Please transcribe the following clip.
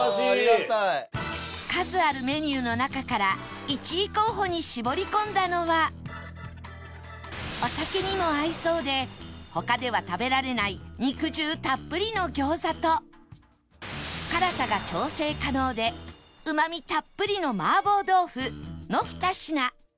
数あるメニューの中から１位候補に絞り込んだのはお酒にも合いそうで他では食べられない肉汁たっぷりの餃子と辛さが調整可能でうまみたっぷりの麻婆豆腐の２品